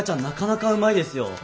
なかなかうまいですよ。